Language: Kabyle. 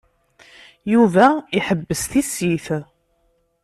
Yuba iḥebbes tissit.